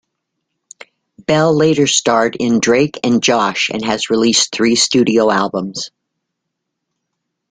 Bell later starred in "Drake and Josh" and has released three studio albums.